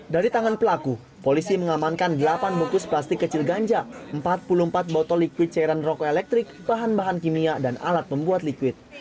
dari tangan pelaku polisi mengamankan delapan bungkus plastik kecil ganja empat puluh empat botol liquid cairan rokok elektrik bahan bahan kimia dan alat pembuat liquid